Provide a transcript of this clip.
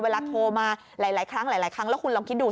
เวลาโทรมาหลายครั้งแล้วคุณลองคิดดู